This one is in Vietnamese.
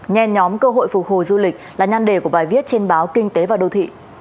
nhen nhóm cơ hội phục hồi du lịch là nhân đề của bài viết trên báo kinh tế và đông